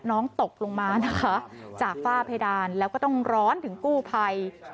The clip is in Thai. น้องตกลงมานะคะจากฝ้าเพดานแล้วก็ต้องร้อนถึงกู้ภัย